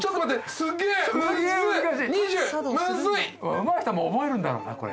うまい人は覚えるんだろうなこれ。